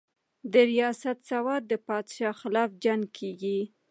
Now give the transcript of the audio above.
درياست سوات د بادشاه خلاف جنګ کښې